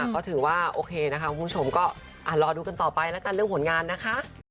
ก็ถือว่าโอเคนะคะคุณผู้ชมก็รอดูกันต่อไปแล้วกันเรื่องผลงานนะคะ